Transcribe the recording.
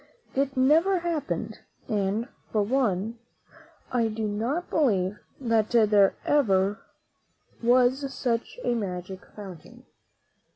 It never happened, and, for one, I do not believe that there ever was such a magic fountain.